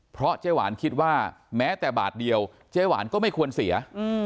เพราะเจ๊หวานคิดว่าแม้แต่บาทเดียวเจ๊หวานก็ไม่ควรเสีย